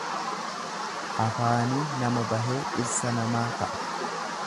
Afaanii nama bahee dhirsa namaa ta'a.